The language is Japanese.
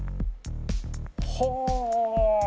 ほう！